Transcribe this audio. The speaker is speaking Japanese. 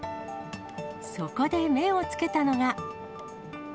そこで目をつけたのが。